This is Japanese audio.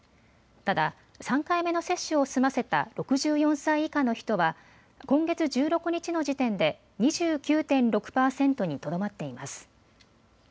ただ、３回目の接種を済ませた６４歳以下の人は今月１６日の時点で２９．６％にとどまっています。